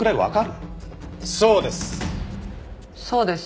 そうです。